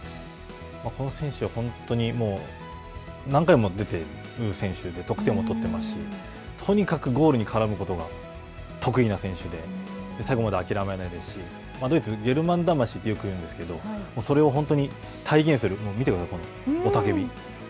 この選手は本当に何回も出ている選手で、得点王を取っていますし、とにかくゴールに絡むことが得意な選手で、最後まで諦めないですし、ドイツはゲルマン魂と、よく言うんですけれども、それを本当に体現する、見てください、この雄たけび。